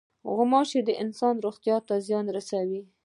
غوماشې د انسان روغتیا ته زیان رسوي.